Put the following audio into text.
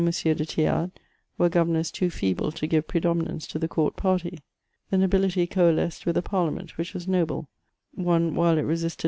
de Thiaitl were governors too feeble to give predominance to the court party. The nobility coalesced with the Parliament, which was noble ; one while it resisted M.